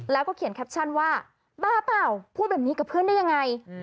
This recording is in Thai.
แล้วก็เขียนแคปชั่นว่าบ้าเปล่าพูดแบบนี้กับเพื่อนได้ยังไง